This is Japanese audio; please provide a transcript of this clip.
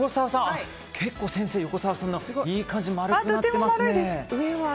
結構、先生横澤さんのいい感じに丸くなっていますね。